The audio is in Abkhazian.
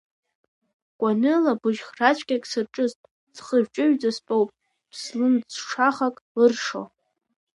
Гәаныла быжь-храцәгьак сырҿыст, схыжә-ҿыжәшәа стәоуп, ԥслымӡшахак ыршо…